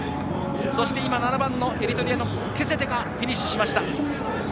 そして今、７番のエリトリアのケセテがフィニッシュしました。